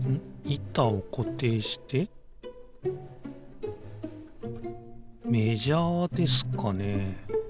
いたをこていしてメジャーですかね？